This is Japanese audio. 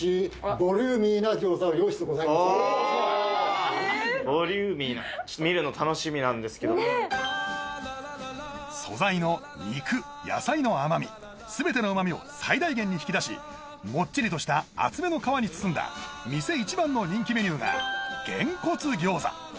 ボリューミーなちょっと見るの楽しみなんですけど素材の肉野菜の甘み全ての旨みを最大限に引き出しもっちりとした厚めの皮に包んだ店一番の人気メニューがげんこつ餃子